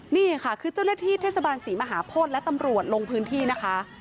นี่ค่ะคือเจ้าหน้าที่เทศบาลศรีมหาโพธิและตำรวจลงพื้นที่นะคะ